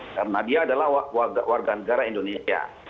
karena dia adalah warga negara indonesia